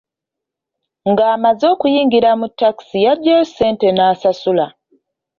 Ng'amaze okuyingira mu takisi yagyayo ssente n'asasula.